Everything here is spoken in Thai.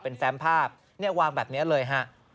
เป็นแฟมภาพเนี่ยวางแบบนี้เลยฮะ